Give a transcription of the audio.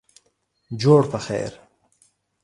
جوړ پخیر